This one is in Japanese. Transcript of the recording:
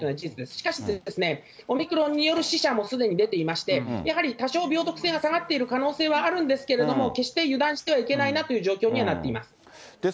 しかしですね、オミクロンによる死者もすでに出ていまして、やはり多少病毒性が下がっている可能性はあるんですけれども、決して油断してはいけないなという状況にはなっています。